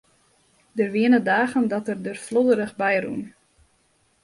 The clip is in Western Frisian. Der wiene dagen dat er der flodderich by rûn.